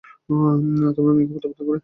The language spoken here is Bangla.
তোমার মেয়েকে প্রত্যাখ্যান করে?